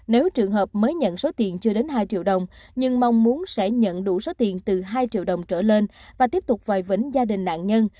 nếu trường hợp mới nhận số tiền chưa đến hai triệu đồng nhưng mong muốn sẽ nhận đủ số tiền từ hai triệu đồng trở lên và tiếp tục vòi vĩnh gia đình nạn nhân